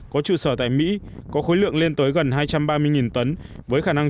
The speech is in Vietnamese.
có trụ sở tại mỹ có khối lượng lên tới gần hai trăm ba mươi tấn